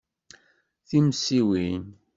Timensiwin!